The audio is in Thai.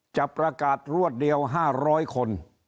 จะประกาศรวดเดียว๕๐๐คน